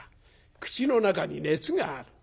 口の中に熱がある。